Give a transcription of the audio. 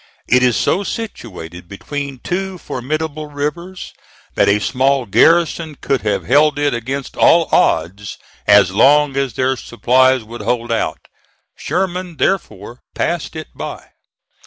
It is so situated between two formidable rivers that a small garrison could have held it against all odds as long as their supplies would hold out. Sherman therefore passed it by.